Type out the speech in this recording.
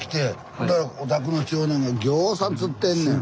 ほんだらお宅の長男がぎょうさん釣ってんねん。